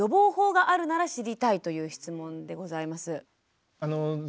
という質問でございます。